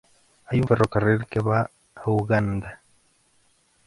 Hay un ferrocarril que va a Uganda.